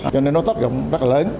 cho nên nó tác dụng rất là lớn